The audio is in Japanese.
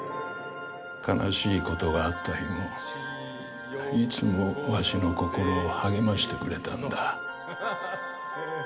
悲しいことがあった日もいつもわしの心を励ましてくれたんだ。